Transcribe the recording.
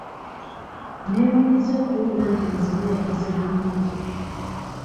Neewuunyizza okuwulira nti muzibe yakoze bulungi.